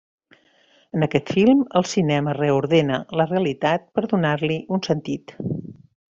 En aquest film, el cinema reordena la realitat per donar-li un sentit.